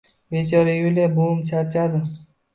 Bechora Yuliya buvim charchadi.